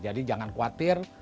jadi jangan khawatir